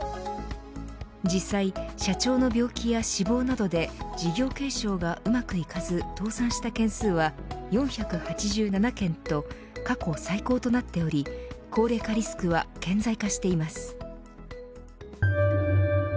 実際、社長の病気や死亡などで事業継承がうまくいかず倒産した件数は４８７件と過去最高となっており高齢化リスクは顕在化しています。